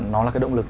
nó là cái động lực